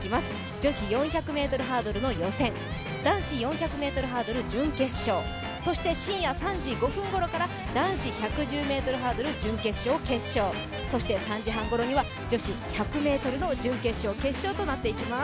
女子４００ｍハードルの予選、男子４００ｍハードルの準決勝、そして深夜３時５分ごろから男子１１０ｍハードル準決勝、決勝、そして３時半ごろには女子１００ｍの準決勝、決勝となっていきます。